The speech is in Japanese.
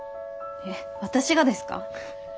えっ私がですか？